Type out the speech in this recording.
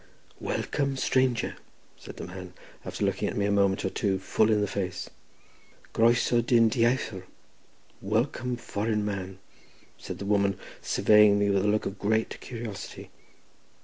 "Welcome, stranger," said the man, after looking me a moment or two full in the face. "Croesaw, dyn dieithr—welcome, foreign man," said the woman, surveying me with a look of great curiosity.